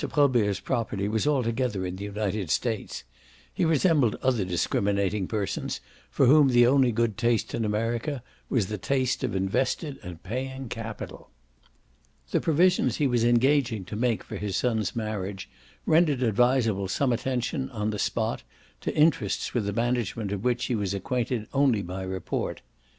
Probert's property was altogether in the United States: he resembled other discriminating persons for whom the only good taste in America was the taste of invested and paying capital. The provisions he was engaging to make for his son's marriage rendered advisable some attention, on the spot, to interests with the management of which he was acquainted only by report.